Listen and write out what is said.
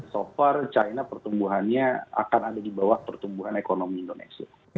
so far china pertumbuhannya akan ada di bawah pertumbuhan ekonomi indonesia